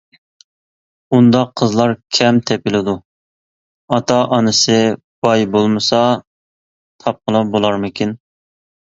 -ئۇنداق قىزلار كەم تېپىلىدۇ، ئاتا-ئانىسى باي بولمىسا تاپقىلى بولارمىكىن.